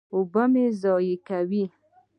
اوبه مه ضایع کوئ